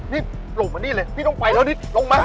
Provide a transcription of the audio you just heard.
นี่หลงมาหนี่เรชผมิต้องไปแล้วนิดลงมา